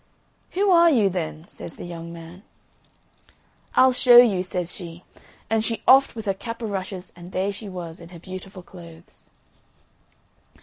"Who are you, then?" says the young man. "I'll show you," says she. And she offed with her cap o' rushes, and there she was in her beautiful clothes.